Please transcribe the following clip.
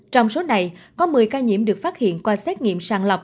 trong số này có một mươi ca nhiễm được phát hiện qua xét nghiệm sàng lọc